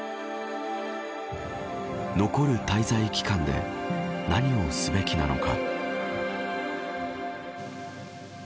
残る滞在期間で何をすべきなのか。